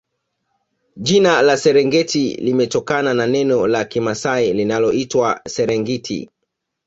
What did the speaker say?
Jina la Serengeti limetokana na neno la kimasai linaloitwa Serengiti